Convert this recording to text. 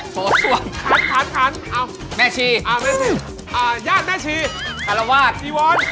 กระตกขันแม่ชีคาระวาดอีวอน